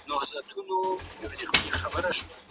جرګې د پښتنو وياړ دی.